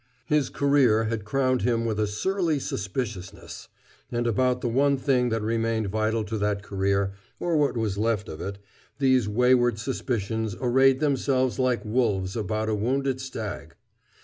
His career had crowned him with a surly suspiciousness. And about the one thing that remained vital to that career, or what was left of it, these wayward suspicions arrayed themselves like wolves about a wounded stag.